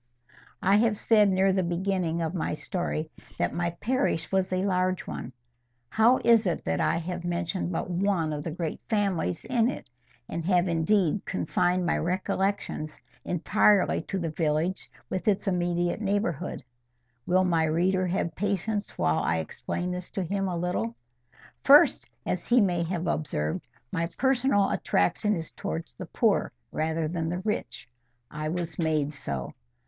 I HAVE said, near the beginning of my story, that my parish was a large one: how is it that I have mentioned but one of the great families in it, and have indeed confined my recollections entirely to the village and its immediate neighbourhood? Will my reader have patience while I explain this to him a little? First, as he may have observed, my personal attraction is towards the poor rather than the rich. I was made so.